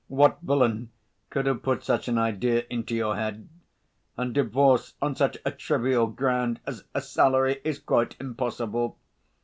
"What villain could have put such an idea into your head? And divorce on such a trivial ground as a salary is quite impossible.